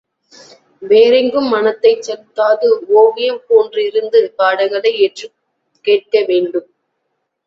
வேறெங்கும் மனத்தைச் செலுத்தாது ஓவியம் போன்றிருந்து பாடங்களை ஏற்றுக் கேட்க வேண்டும்.